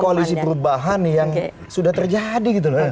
koalisi perubahan yang sudah terjadi